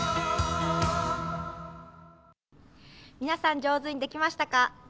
皆さん上手にできましたか？